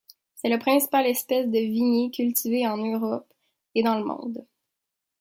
C'est la principale espèce de vignes cultivée en Europe et dans le monde.